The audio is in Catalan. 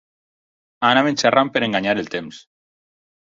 Anaven xerrant per enganyar el temps.